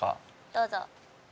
どうぞ。